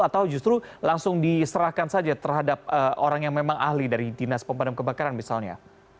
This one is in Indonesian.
atau justru langsung diserahkan saja terhadap orang yang memang ahli dari dinas pemadam kebakaran misalnya